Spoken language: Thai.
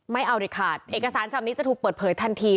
ไม่เอาเด็ดขาดเอกสารฉบับนี้จะถูกเปิดเผยทันที